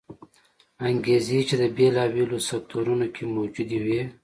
انګېزې چې د بېلابېلو سکتورونو کې موجودې وې